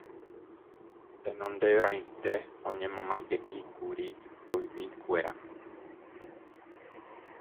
Tenonderãite oñemomaiteíkuri poyvikuéra.